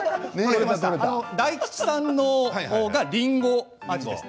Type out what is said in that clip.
大吉さんの方がりんご味です。。